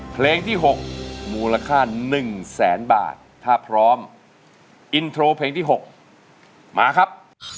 เพลงที่๖มูลค่า๑แสนบาทถ้าพร้อมอินโทรเพลงที่๖มาครับ